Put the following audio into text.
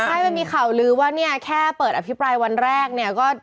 ใช่มันมีข่าวลือว่าเนี่ยแค่เปิดอภิปรายวันแรกเนี่ยก็